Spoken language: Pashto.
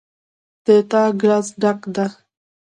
د تا ګلاس ډک ده